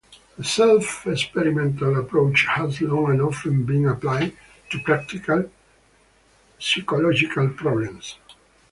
The self-experimental approach has long and often been applied to practical psychological problems.